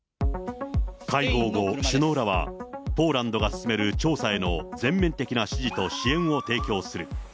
会合後、首脳らはポーランドが進める調査への全面的な支持と支援を提供する。